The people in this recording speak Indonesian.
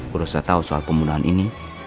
berusaha tahu soal pembunuhan ini